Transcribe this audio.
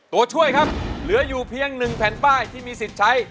ตัวช่วยครับเหลืออยู่เพียง๑แผ่นป้ายที่มีสิทธิ์ใช้